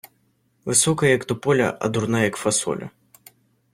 Висока, як тополя, а дурна, як фасоля.